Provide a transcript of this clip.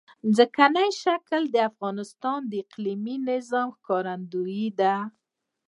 ځمکنی شکل د افغانستان د اقلیمي نظام ښکارندوی ده.